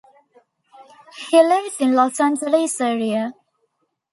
He lives in the Los Angeles area.